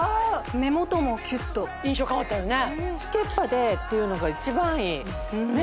目元もキュッと印象変わったよね